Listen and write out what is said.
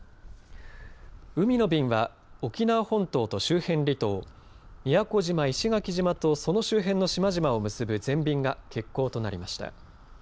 海の便は沖縄本島と周辺離島、宮古島、石垣島とその周辺の島々を結ぶ全便が欠航となりました。